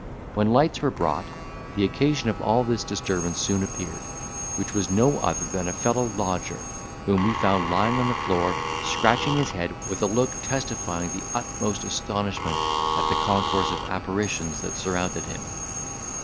When lights were brought, the occasion of all this disturbance soon appeared; which was no other than a fellow lodger, whom we found lying on the floor, scratching his head, with a look testifying the utmost astonishment at the concourse of apparitions that surrounded him.